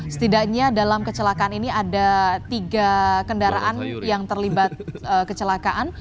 setidaknya dalam kecelakaan ini ada tiga kendaraan yang terlibat kecelakaan